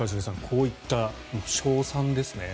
こういった称賛ですね。